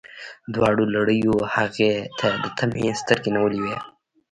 دواړو لړیو هغې ته د طمعې سترګې نیولي وې.